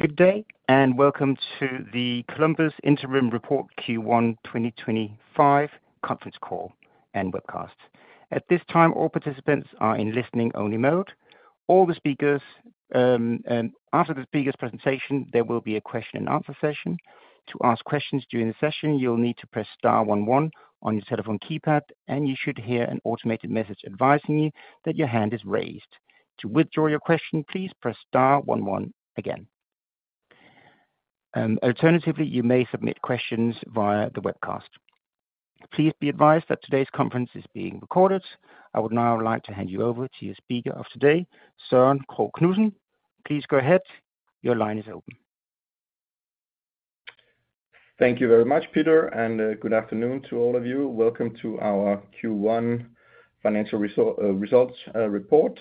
Good day, and welcome to the Columbus Interim Report Q1 2025 conference call and webcast. At this time, all participants are in listening-only mode. After the speaker's presentation, there will be a question-and-answer session. To ask questions during the session, you'll need to press star one one on your telephone keypad, and you should hear an automated message advising you that your hand is raised. To withdraw your question, please press star one one again. Alternatively, you may submit questions via the webcast. Please be advised that today's conference is being recorded. I would now like to hand you over to your speaker of today, Søren Krogh Knudsen. Please go ahead. Your line is open. Thank you very much, Peter, and good afternoon to all of you. Welcome to our Q1 financial results, uh, results report.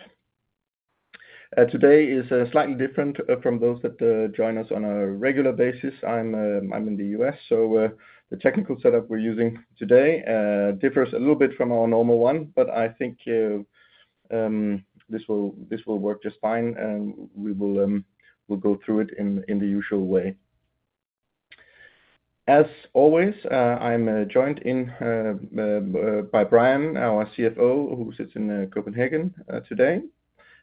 Today is slightly different from those that join us on a regular basis. I'm, I'm in the U.S., so the technical setup we're using today differs a little bit from our normal one, but I think this will, this will work just fine, and we will, we'll go through it in, in the usual way. As always, I'm joined in by Brian, our CFO, who sits in Copenhagen today,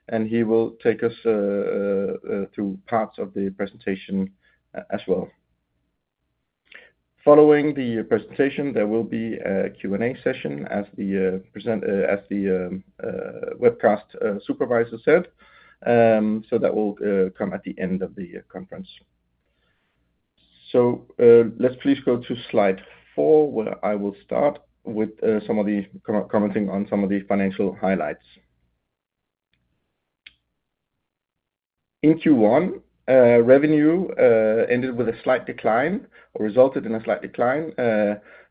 and he will take us through parts of the presentation as well. Following the presentation, there will be a Q&A session, as the present, uh, as the webcast supervisor said. That will come at the end of the conference. Let's please go to slide four, where I will start with some of the commenting on some of the financial highlights. In Q1, revenue ended with a slight decline,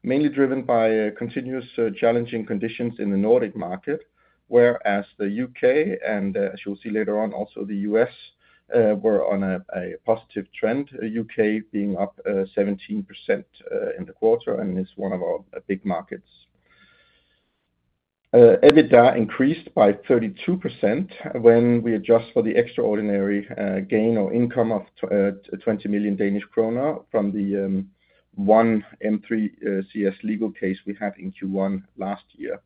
mainly driven by continuous challenging conditions in the Nordic market, whereas the U.K. and, as you'll see later on, also the U.S., were on a positive trend, the U.K. being up 17% in the quarter and is one of our big markets. EBITDA increased by 32% when we adjust for the extraordinary gain or income of 20 million Danish kroner from the one M3CS legal case we had in Q1 last year.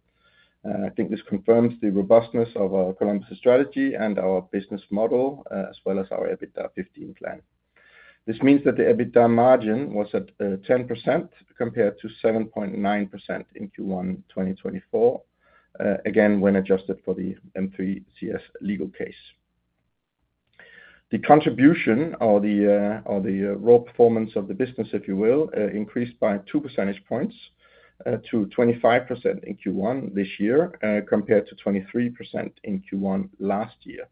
I think this confirms the robustness of our Columbus strategy and our business model, as well as our EBITDA 15 plan. This means that the EBITDA margin was at 10% compared to 7.9% in Q1 2024, again, when adjusted for the M3CS legal case. The contribution or the raw performance of the business, if you will, increased by 2 percentage points, to 25% in Q1 this year, compared to 23% in Q1 last year.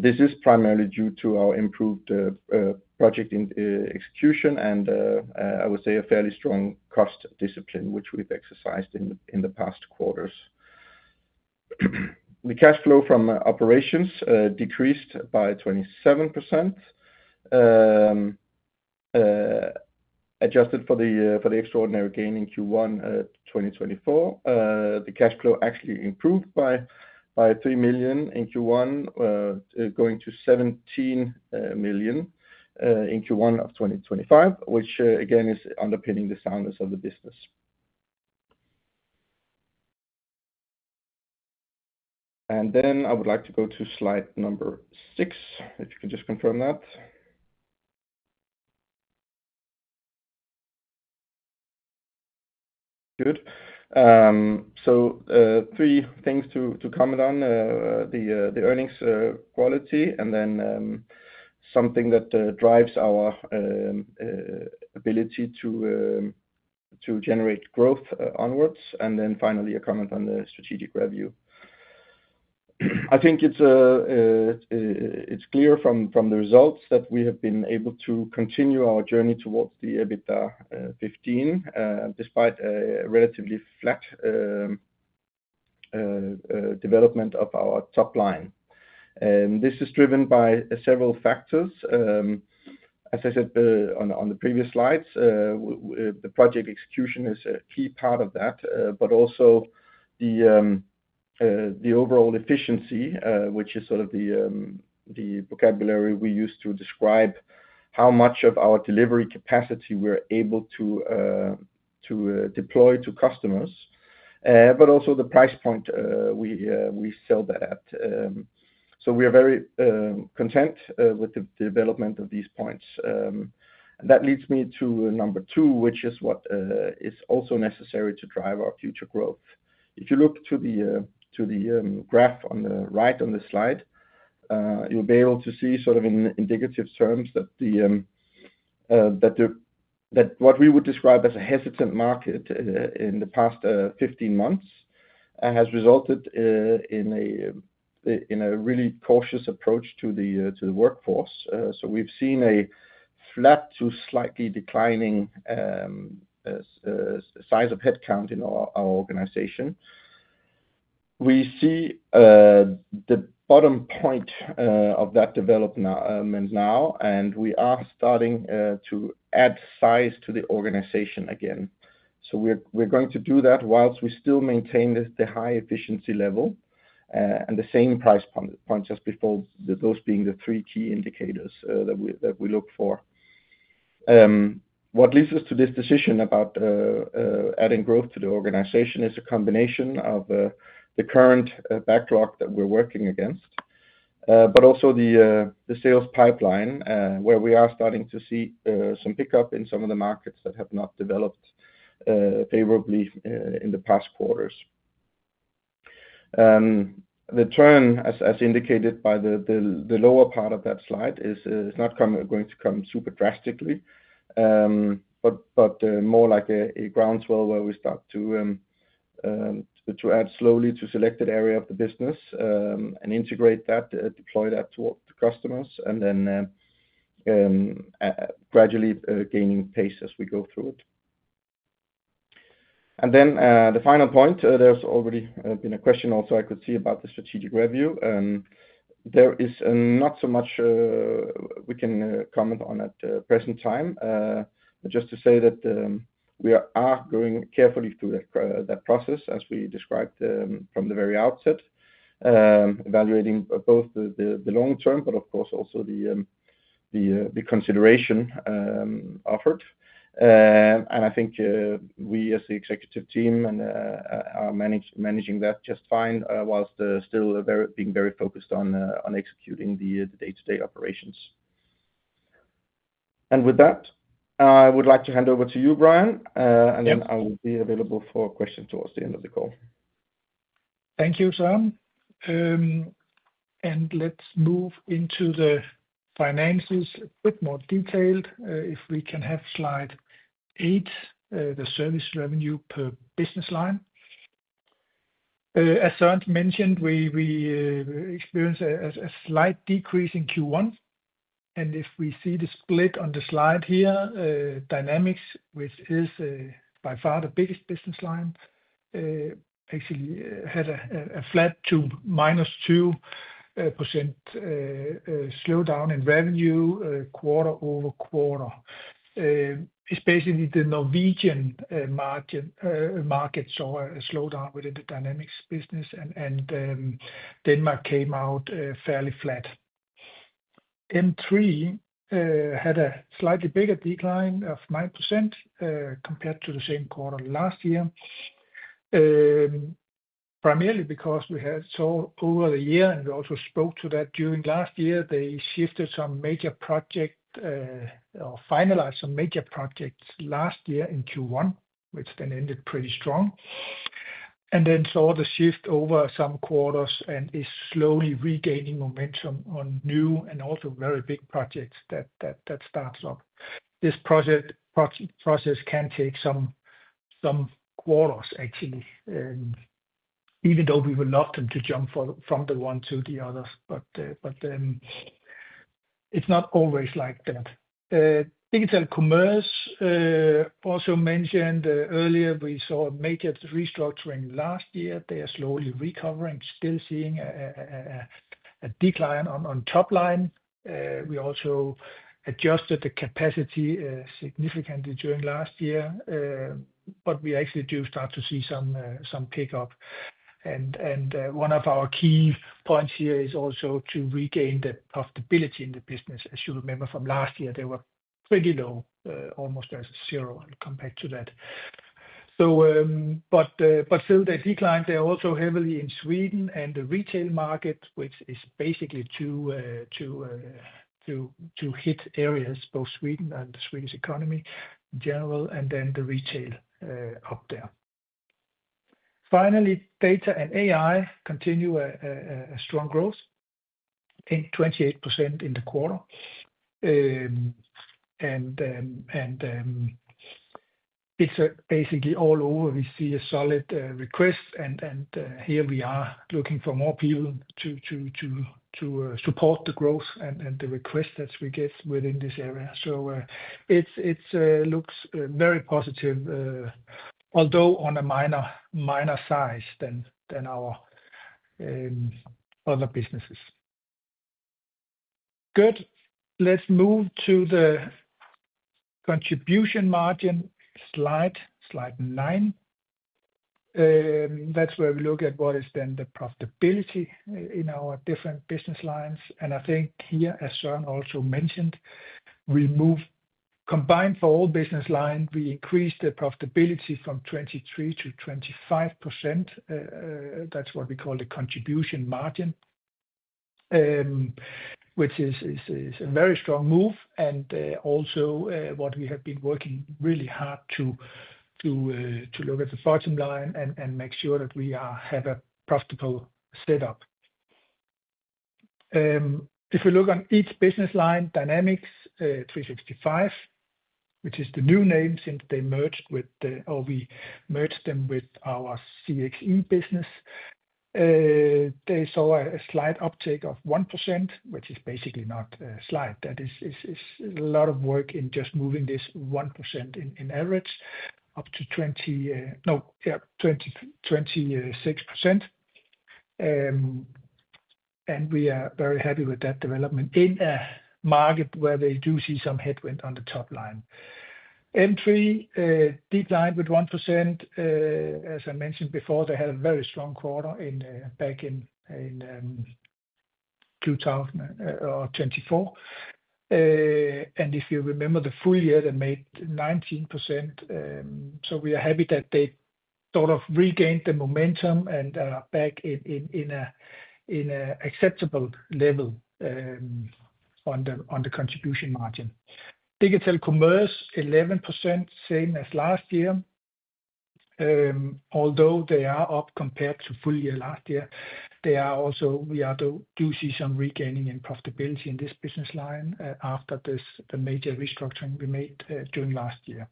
This is primarily due to our improved project execution and, I would say, a fairly strong cost discipline, which we've exercised in the past quarters. The cash flow from operations decreased by 27%. Adjusted for the extraordinary gain in Q1 2024, the cash flow actually improved by 3 million in Q1, going to 17 million in Q1 of 2025, which, again, is underpinning the soundness of the business. I would like to go to slide number six, if you can just confirm that. Good. Three things to comment on: the earnings, quality, and then something that drives our ability to generate growth onwards, and then finally a comment on the strategic revenue. I think it's clear from the results that we have been able to continue our journey towards the EBITDA 15, despite a relatively flat development of our top line. This is driven by several factors. As I said on the previous slides, the project execution is a key part of that, but also the overall efficiency, which is sort of the vocabulary we use to describe how much of our delivery capacity we're able to deploy to customers, but also the price point we sell that at. We are very content with the development of these points. That leads me to number two, which is what is also necessary to drive our future growth. If you look to the graph on the right on the slide, you'll be able to see sort of in indicative terms that what we would describe as a hesitant market in the past 15 months has resulted in a really cautious approach to the workforce. We've seen a flat to slightly declining size of headcount in our organization. We see the bottom point of that development now, and we are starting to add size to the organization again. We're going to do that whilst we still maintain the high efficiency level and the same price point, just before, those being the three key indicators that we look for. What leads us to this decision about adding growth to the organization is a combination of the current backlog that we're working against, but also the sales pipeline, where we are starting to see some pickup in some of the markets that have not developed favorably in the past quarters. The turn, as indicated by the lower part of that slide, is not going to come super drastically, but more like a groundswell where we start to add slowly to selected area of the business and integrate that, deploy that towards the customers, and then gradually gaining pace as we go through it. The final point, there's already been a question also I could see about the strategic review. There is not so much we can comment on at the present time, just to say that we are going carefully through that process as we described from the very outset, evaluating both the long term, but of course also the consideration offered. I think we as the executive team are managing that just fine, whilst still being very focused on executing the day-to-day operations. With that, I would like to hand over to you, Brian, and then I will be available for questions towards the end of the call. Thank you, Søren. Let's move into the finances a bit more detailed, if we can have slide eight, the service revenue per business line. As Søren mentioned, we experienced a slight decrease in Q1, and if we see the split on the slide here, Dynamics, which is by far the biggest business line, actually had a flat to -2% slowdown in revenue, quarter over quarter. It's basically the Norwegian market saw a slowdown within the Dynamics business, and Denmark came out fairly flat. M3 had a slightly bigger decline of 9% compared to the same quarter last year, primarily because we saw over the year, and we also spoke to that during last year, they shifted some major project, or finalized some major projects last year in Q1, which then ended pretty strong, and then saw the shift over some quarters and is slowly regaining momentum on new and also very big projects that start up. This project process can take some quarters, actually, even though we would love them to jump from the one to the others, but it's not always like that. Digital Commerce, also mentioned earlier, we saw a major restructuring last year. They are slowly recovering, still seeing a decline on top line. We also adjusted the capacity significantly during last year, but we actually do start to see some pickup. One of our key points here is also to regain the profitability in the business. As you remember from last year, they were pretty low, almost at zero compared to that. Still, they declined. They are also heavily in Sweden and the retail market, which is basically to hit areas, both Sweden and the Swedish economy in general, and then the retail up there. Finally, Data and AI continue a strong growth, 28% in the quarter. Basically all over we see a solid request, and here we are looking for more people to support the growth and the request that we get within this area. It's, it's, looks very positive, although on a minor, minor size than our other businesses. Good. Let's move to the contribution margin slide, slide nine. That's where we look at what is then the profitability in our different business lines. I think here, as Søren also mentioned, we move combined for all business line, we increase the profitability from 23%-25%. That's what we call the contribution margin, which is a very strong move. Also, what we have been working really hard to look at the bottom line and make sure that we have a profitable setup. If we look on each business line, Dynamics 365, which is the new name since they merged with the, or we merged them with our CXE business, they saw a slight uptake of 1%, which is basically not a slide. That is a lot of work in just moving this 1% in average up to 20, no, yeah, 26%. We are very happy with that development in a market where they do see some headwind on the top line. M3 declined with 1%. As I mentioned before, they had a very strong quarter back in 2024. If you remember, the full year, that made 19%, so we are happy that they sort of regained the momentum and are back in an acceptable level on the contribution margin. Digital Commerce, 11%, same as last year. Although they are up compared to full year last year, we do see some regaining in profitability in this business line after the major restructuring we made during last year.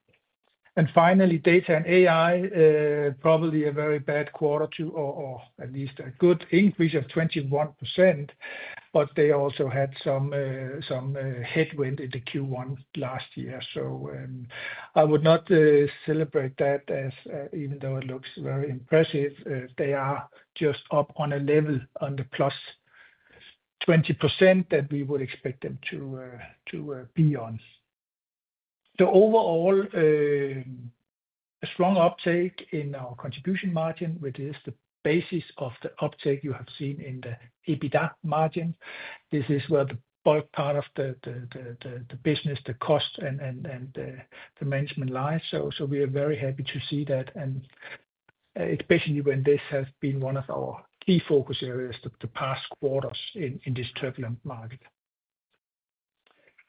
Finally, Data and AI, probably a very bad quarter to, or, or at least a good increase of 21%, but they also had some headwind in Q1 last year. I would not celebrate that as, even though it looks very impressive, they are just up on a level on the +20% that we would expect them to be on. Overall, a strong uptake in our contribution margin, which is the basis of the uptake you have seen in the EBITDA margin. This is where the bulk part of the business, the cost, and the management lies. We are very happy to see that, especially when this has been one of our key focus areas the past quarters in this turbulent market.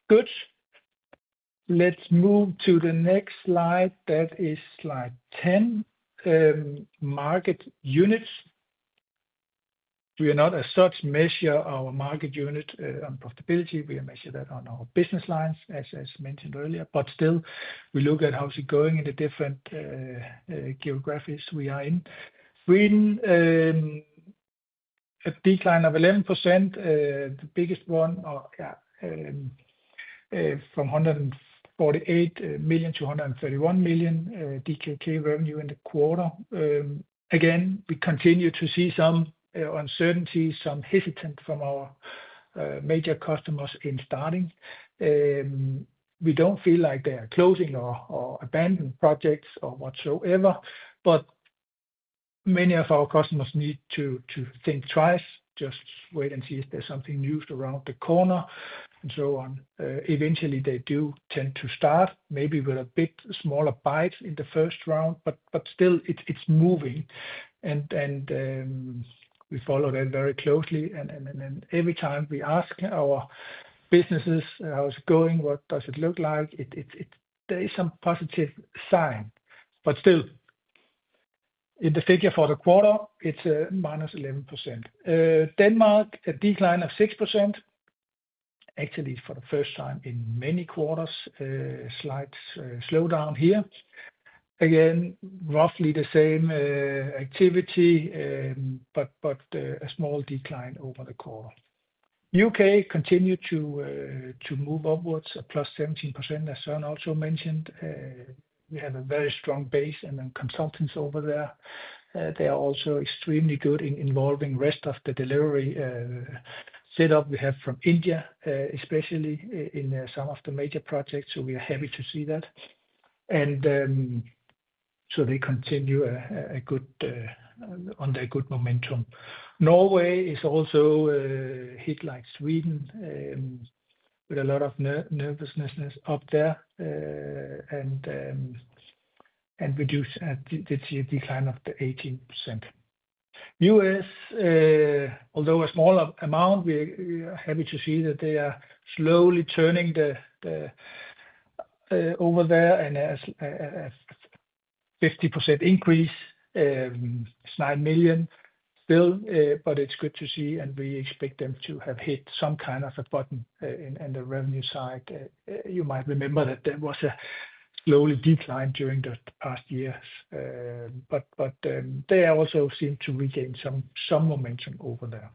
Good. Let's move to the next slide. That is slide 10, market units. We are not as such measure our market unit on profitability. We measure that on our business lines, as mentioned earlier, but still we look at how it is going in the different geographies we are in. Sweden, a decline of 11%, the biggest one, from 148 million-131 million DKK revenue in the quarter. Again, we continue to see some uncertainty, some hesitance from our major customers in starting. We do not feel like they are closing or abandoning projects or whatsoever, but many of our customers need to think twice, just wait and see if there is something new around the corner and so on. Eventually they do tend to start maybe with a bit smaller bites in the first round, but still it is moving. We follow that very closely. Every time we ask our businesses how's it going, what does it look like, there is some positive sign, but still in the figure for the quarter, it's -11%. Denmark, a decline of 6%, actually for the first time in many quarters, slides, slowdown here. Again, roughly the same activity, but a small decline over the quarter. U.K. continue to move upwards, a +17%, as Søren also mentioned. We have a very strong base and then consultants over there. They are also extremely good in involving rest of the delivery setup we have from India, especially in some of the major projects. We are happy to see that. They continue on their good momentum. Norway is also hit like Sweden, with a lot of nervousness up there, and reduced the decline of 18%. U.S., although a smaller amount, we are happy to see that they are slowly turning over there and as a 50% increase, 9 million still, but it's good to see. We expect them to have hit some kind of a button in the revenue side. You might remember that there was a slow decline during the past years, but they also seem to regain some momentum over there.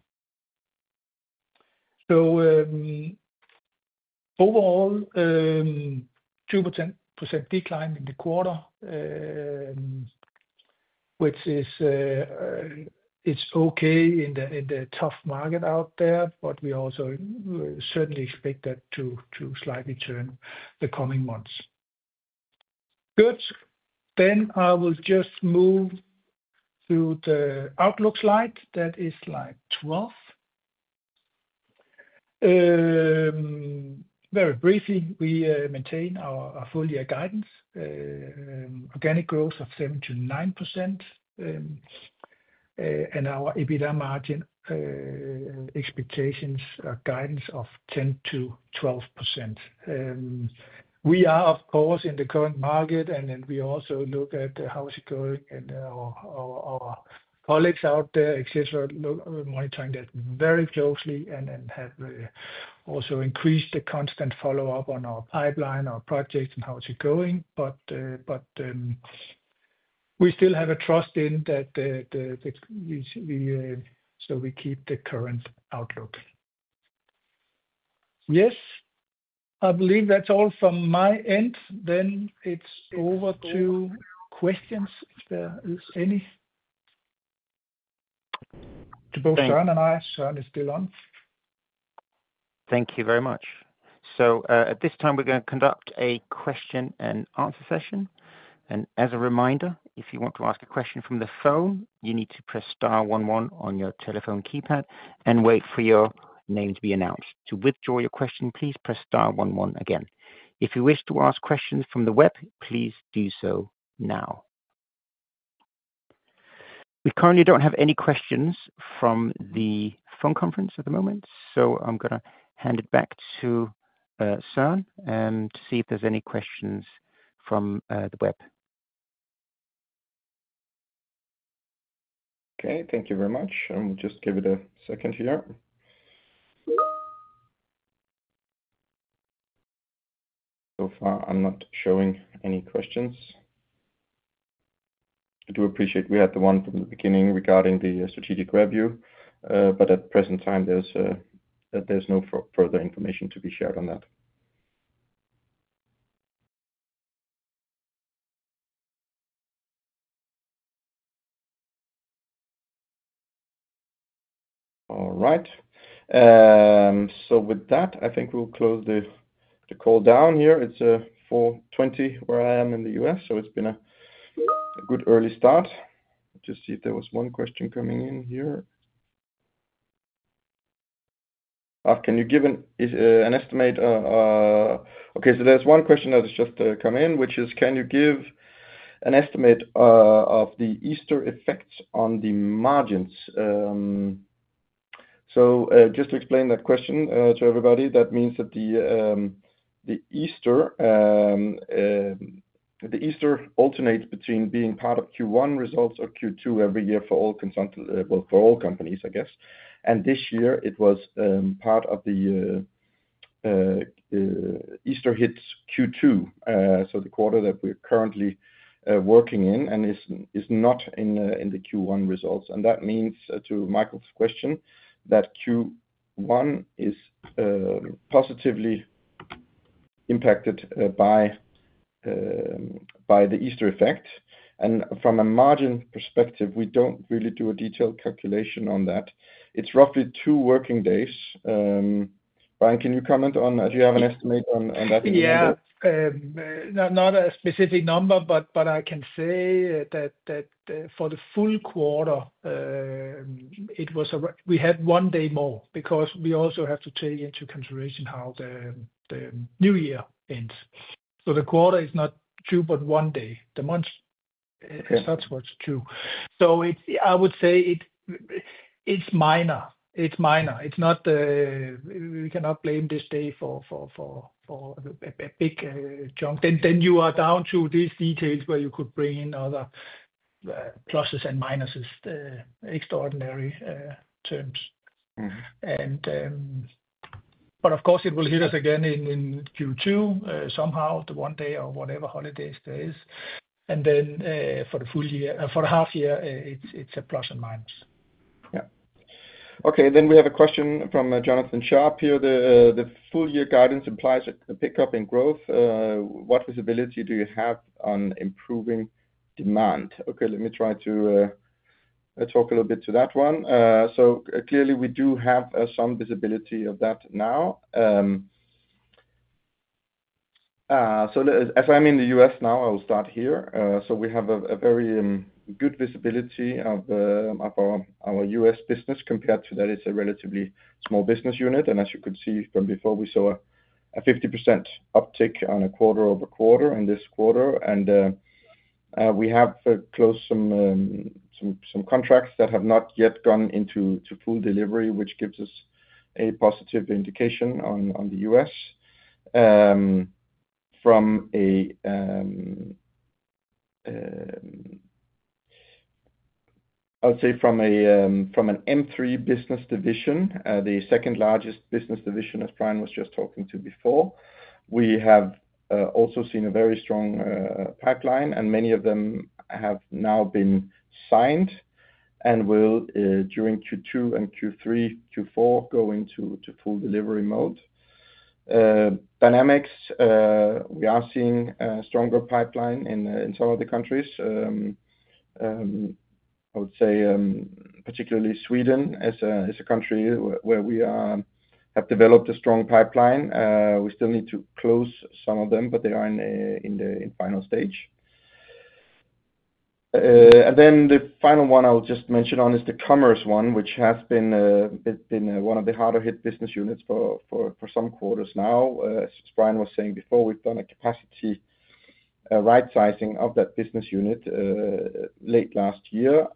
Overall, 2% decline in the quarter, which is okay in the tough market out there, but we also certainly expect that to slightly turn the coming months. Good. I will just move to the outlook slide that is slide 12. Very briefly, we maintain our full-year guidance, organic growth of 7%-9%, and our EBITDA margin expectations or guidance of 10%-12%. We are of course in the current market, and then we also look at how's it going and our colleagues out there, etc, monitoring that very closely and then have also increased the constant follow-up on our pipeline, our projects, and how's it going. We still have a trust in that, so we keep the current outlook. Yes, I believe that's all from my end. It is over to questions if there is any. To both Søren and I, Søren is still on. Thank you very much. At this time we're gonna conduct a question-and-answer session. As a reminder, if you want to ask a question from the phone, you need to press star one one on your telephone keypad and wait for your name to be announced. To withdraw your question, please press star one one again. If you wish to ask questions from the web, please do so now. We currently do not have any questions from the phone conference at the moment, so I'm gonna hand it back to Søren and see if there's any questions from the web. Okay. Thank you very much. I'll just give it a second here. So far I'm not showing any questions. I do appreciate we had the one from the beginning regarding the strategic review, but at present time there's no further information to be shared on that. All right. With that, I think we'll close the call down here. It's 4:20 where I am in the U.S., so it's been a good early start. Just see if there was one question coming in here. Can you give an estimate, okay. So there's one question that has just come in, which is, can you give an estimate of the Easter effects on the margins? So, just to explain that question to everybody, that means that the Easter alternates between being part of Q1 results or Q2 every year for all consult, well, for all companies, I guess. This year it was part of the, Easter hits Q2, so the quarter that we're currently working in and is not in the Q1 results. That means, to Michael's question, that Q1 is positively impacted by the Easter effect. From a margin perspective, we don't really do a detailed calculation on that. It's roughly two working days. Brian, can you comment on, do you have an estimate on that? Yeah, not a specific number, but I can say that for the full quarter, we had one day more because we also have to take into consideration how the new year ends. The quarter is not two, but one day. The month starts with two. I would say it's minor. It's minor. We cannot blame this day for a big chunk. You are down to these details where you could bring in other pluses and minuses, extraordinary terms. Mm-hmm. Of course it will hit us again in Q2, somehow, the one day or whatever holidays there is. For the full year, for the half year, it's a plus and minus. Yeah. Okay. We have a question from Jonathan Sharp here. The full year guidance implies a pickup in growth. What visibility do you have on improving demand? Okay. Let me try to talk a little bit to that one. Clearly we do have some visibility of that now. As I am in the U.S. now, I will start here. We have a very good visibility of our U.S. business compared to that. It is a relatively small business unit. As you could see from before, we saw a 50% uptick quarter over quarter in this quarter. We have closed some contracts that have not yet gone into full delivery, which gives us a positive indication on the U.S. From a, I'll say from a, from an M3 business division, the second largest business division, as Brian was just talking to before, we have also seen a very strong pipeline, and many of them have now been signed and will, during Q2 and Q3, Q4, go into full delivery mode. Dynamics, we are seeing a stronger pipeline in some of the countries. I would say, particularly Sweden as a country where we have developed a strong pipeline. We still need to close some of them, but they are in the final stage. The final one I'll just mention is the commerce one, which has been one of the harder hit business units for some quarters now. As Brian was saying before, we've done a capacity right sizing of that business unit late last year.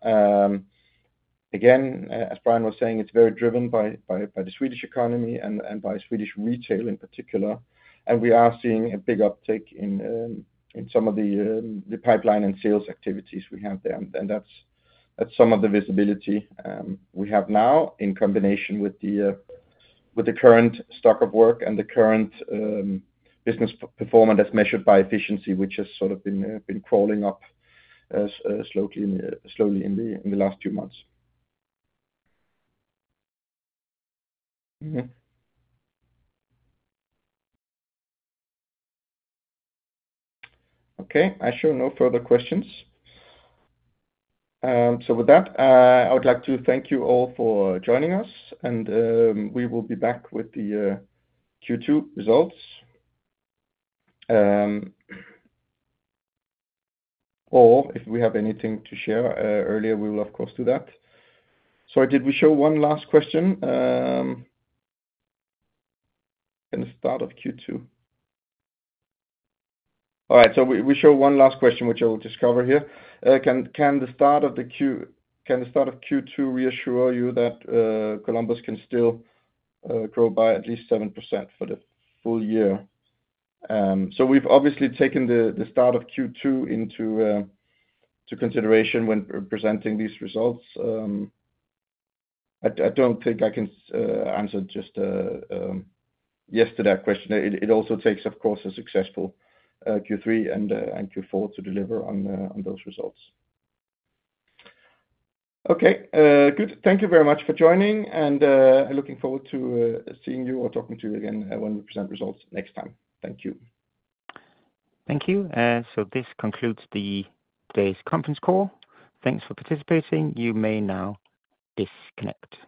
Again, as Brian was saying, it's very driven by the Swedish economy and by Swedish retail in particular. We are seeing a big uptick in some of the pipeline and sales activities we have there. That's some of the visibility we have now in combination with the current stock of work and the current business performance that's measured by efficiency, which has sort of been crawling up slowly in the last two months. Okay. I show no further questions. With that, I would like to thank you all for joining us, and we will be back with the Q2 results. If we have anything to share earlier, we will of course do that. Sorry, did we show one last question in the start of Q2? All right. We show one last question, which I will just cover here. Can the start of Q2 reassure you that Columbus can still grow by at least 7% for the full year? We have obviously taken the start of Q2 into consideration when presenting these results. I do not think I can answer just yes to that question. It also takes, of course, a successful Q3 and Q4 to deliver on those results. Okay. Good. Thank you very much for joining, and looking forward to seeing you or talking to you again when we present results next time. Thank you. Thank you. So this concludes today's conference call. Thanks for participating. You may now disconnect.